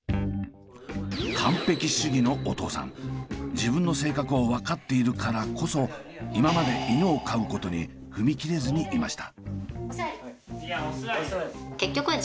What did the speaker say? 自分の性格を分かっているからこそ今まで犬を飼うことに踏み切れずにいました。